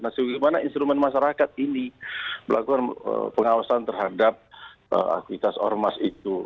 nah bagaimana instrumen masyarakat ini melakukan pengawasan terhadap aktivitas ormas itu